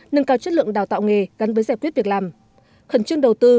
nâng cao chất lượng đào tạo nghề gắn với giải quyết việc làm khẩn trương đầu tư